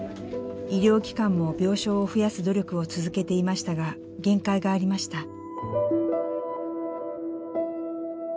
医療機関も病床を増やす努力を続けていましたが限界がありました。